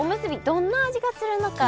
どんな味がするのか。